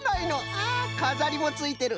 あかざりもついてる。